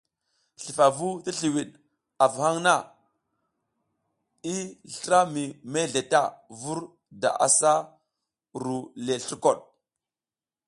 Slufavu ti sliwiɗ avu haŋ na i slra mi mezle ta vur da asa ru le slurkoɗ.